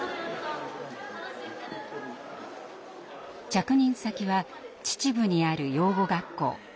着任先は秩父にある養護学校。